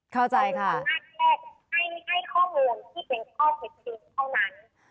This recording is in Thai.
อำนาจแรกให้ข้อมูลที่เป็นข้อผิดพิษเท่านั้น